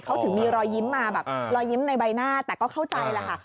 เขาถึงมีรอยยิ้มมาแบบรอยยิ้มในใบหน้าแต่ก็เข้าใจแหละค่ะ